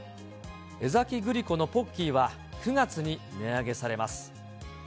江崎グリコのポッキーは９月に値上げされます。